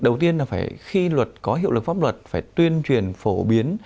đầu tiên là phải khi luật có hiệu lực pháp luật phải tuyên truyền phổ biến